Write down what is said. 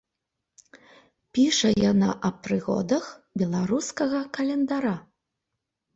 Піша яна аб прыгодах беларускага календара.